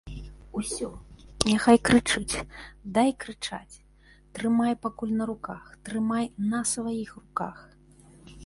Усё, няхай крычыць, дай крычаць, трымай пакуль на руках, трымай на сваіх руках.